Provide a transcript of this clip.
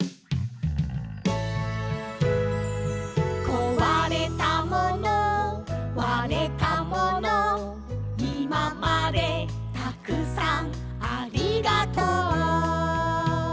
「壊れたもの割れたもの」「今までたくさんありがとう」